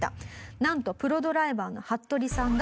なんとプロドライバーの服部さんが。